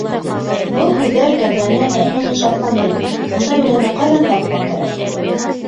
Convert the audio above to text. Был һүҙҙәр кәрләне әллә ни шатландырмай: ундай үләнде ҡайҙан тапмаҡ кәрәк?